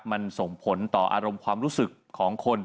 มันส่งผลต่ออารมณ์ความรู้สึกของคน